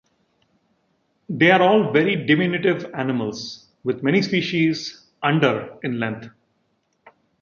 They are all very diminutive animals, with many species under in length.